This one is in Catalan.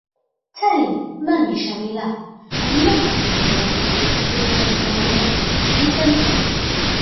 Chailly va néixer a Milà en una família de músics d'origen romanyès i francès.